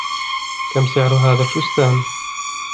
كم سعر هذا الفستان؟